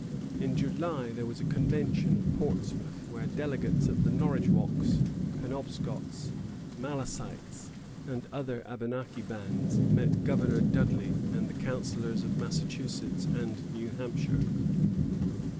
In July there was a convention at Portsmouth, when delegates of the Norridgewocks, Penobscots, Malicites, and other Abenaki bands met Governor Dudley and the councillors of Massachusetts and New Hampshire.